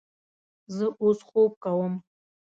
زه اوس خوب کوم